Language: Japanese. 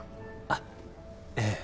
あっええ